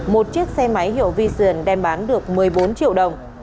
một chiếc xe máy hiệu vision đem bán được một mươi bốn triệu đồng